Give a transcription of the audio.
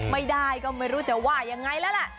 ไม่ได้ก็ไม่รู้จะว่ายังไงแล้วล่ะ